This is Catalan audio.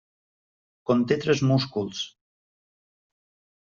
Conté tres músculs.